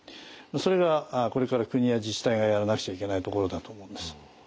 それがこれから国や自治体がやらなくちゃいけないところだと思うんです。